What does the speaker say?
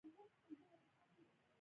ستاسې زهني نا ارمتیا ښي.